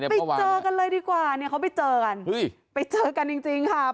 ไปเจอกันจริงครับ